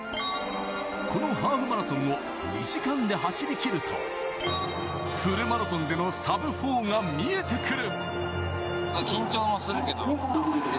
このハーフマラソンを２時間で走り切るとフルマラソンでのサブ４が見えてくる。